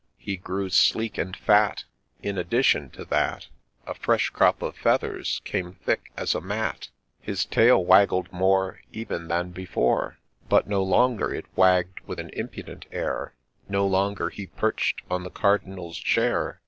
He grew sleek, and fat ; In addition to that, A fresh crop of feathers came thick as a mat I His tail waggled more Even than before ; But no longer it wagg'd with an impudent air, No longer he perch'd on the Cardinal's chair.